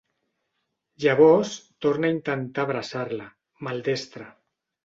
Llavors torna a intentar abraçar-la, maldestre.